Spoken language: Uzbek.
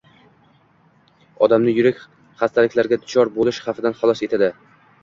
Odamni yurak xastaliklariga duchor bo’lish xavfidan xalos etadi.